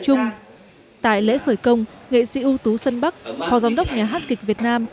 chung tại lễ khởi công nghệ sĩ ưu tú sơn bắc phò giám đốc nhà hát kịch việt nam